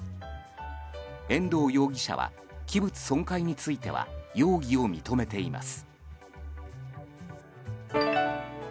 遠藤容疑者は器物損壊については容疑を認めています。